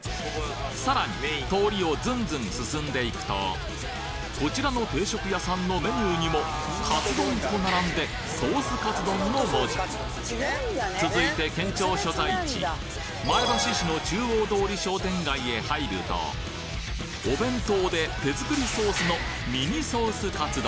さらに通りをずんずん進んでいくとこちらの定食屋さんのメニューにもカツ丼と並んでソースカツ丼の文字続いて県庁所在地へ入るとお弁当で手作りソースのミニソースカツ丼